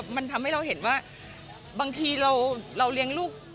มันทำให้เราเห็นว่าบางทีเราเลี้ยงลูก